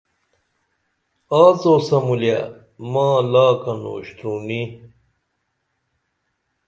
آڅو سمولیہ ما لاکن اُشترونی